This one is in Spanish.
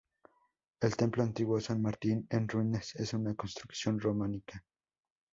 El templo antiguo, San Martín, en ruinas, es una construcción románica.